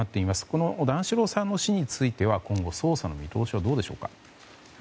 この段四郎さんの死については今後、捜査の見通しはどうでしょうか。